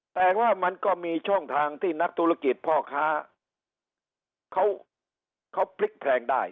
แต่ว่ามันก็มีช่องทางที่นักธุรกิจพ่อค้าเขาพลิกแพลงได้